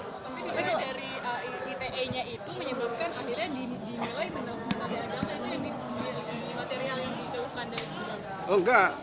tapi itu dari ite nya itu menyebabkan akhirnya dimiliki material yang dikeluarkan dari bunyani